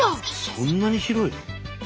そんなに広いの？